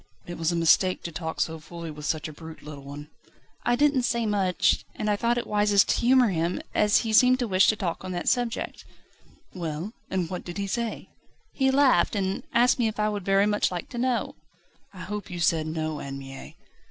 "It was a mistake to talk so fully with such a brute, little one." "I didn't say much, and I thought it wisest to humour him, as he seemed to wish to talk on that subject." "Well? And what did he say?" "He laughed, and asked me if I would very much like to know." "I hope you said No, Anne Mie?"